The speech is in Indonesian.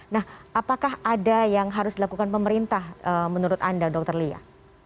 nah apakah ada yang harus dilakukan pemerintah menurut anda dr lia